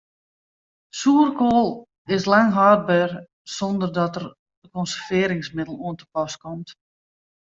Soerkoal is lang hâldber sonder dat der in konservearringsmiddel oan te pas komt.